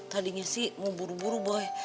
tadinya sih mau buru buru boy